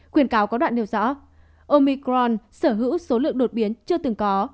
khuyến cáo có đoạn điều rõ omicron sở hữu số lượng đột biến chưa từng có